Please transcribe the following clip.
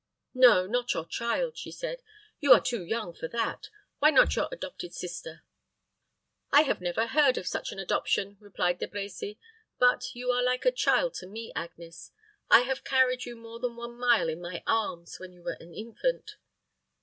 "No, not your child," she said; "you are too young for that. Why not your adopted sister?" "I never heard of such an adoption," replied De Brecy; "but you are like a child to me, Agnes. I have carried you more than one mile in my arms, when you were an infant."